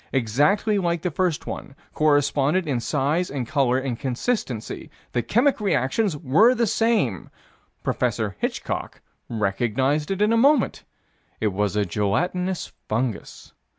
Exactly like the first one. Corresponded in size and color and consistency. The chemic reactions were the same. Prof. Hitchcock recognized it in a moment. It was a gelatinous fungus.